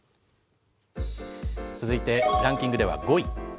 続いて、ランキングでは５位。